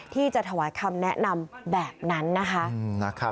ที่จะถวายคำแนะนำแบบนั้นนะคะ